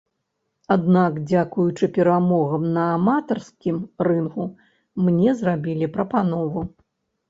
Аднак дзякуючы перамогам на аматарскім рынгу мне зрабілі прапанову.